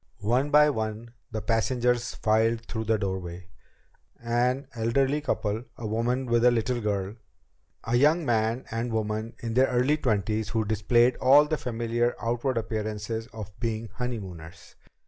One by one the passengers filed through the doorway. An elderly couple. A woman with a little girl. A young man and woman in their early twenties who displayed all the familiar outward appearances of being honeymooners.